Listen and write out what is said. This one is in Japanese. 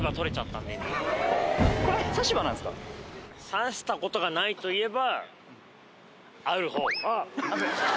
差したことがないといえばあるほう。